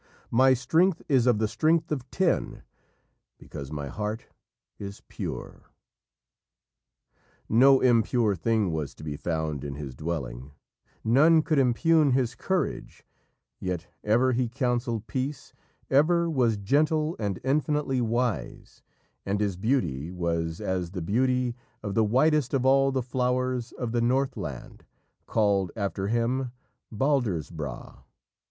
"My strength is of the strength of ten, Because my heart is pure." No impure thing was to be found in his dwelling; none could impugn his courage, yet ever he counselled peace, ever was gentle and infinitely wise, and his beauty was as the beauty of the whitest of all the flowers of the Northland, called after him Baldrsbrá.